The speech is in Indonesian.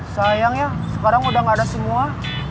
sayang ya sekarang udah gak ada semua